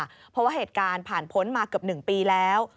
เพราะว่าเหตุการณ์ผ่านพ้นมาเกือบ๑ปีแล้ว